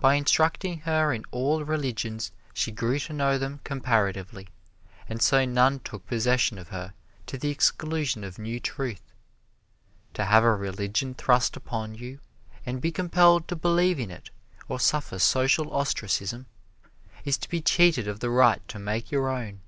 By instructing her in all religions she grew to know them comparatively, and so none took possession of her to the exclusion of new truth. To have a religion thrust upon you, and be compelled to believe in it or suffer social ostracism, is to be cheated of the right to make your own.